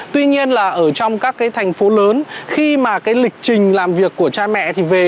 tuy nhiên là ở trong các cái thành phố lớn khi mà cái lịch trình làm việc của cha mẹ thì về